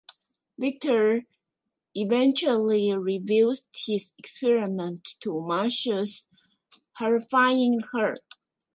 Victor eventually reveals his experiment to Marsha, horrifying her.